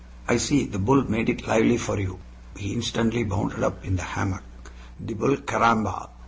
"I see; the bull made it lively for you." He instantly bounded up in the hammock. "The bull! Caramba!